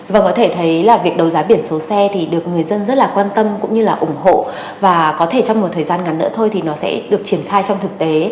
vâng có thể thấy là việc đấu giá biển số xe thì được người dân rất là quan tâm cũng như là ủng hộ và có thể trong một thời gian ngắn nữa thôi thì nó sẽ được triển khai trong thực tế